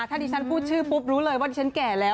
ถ้าดิฉันพูดชื่อปุ๊บรู้เลยว่าดิฉันแก่แล้ว